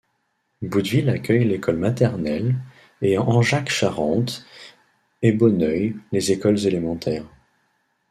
Bouteville accueille l'école maternelle et Angeac-Charente et Bonneuil les écoles élémentaires.